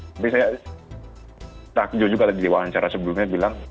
tapi saya tak jujur kalau di wawancara sebelumnya bilang